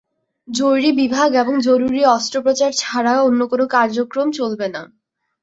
জরুরি বিভাগ এবং জরুরি অস্ত্রোপচার ছাড়া অন্য কোনো কার্যক্রম চলবে না।